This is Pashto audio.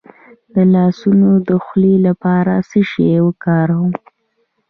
د لاسونو د خولې لپاره څه شی وکاروم؟